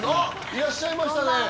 いらっしゃいましたね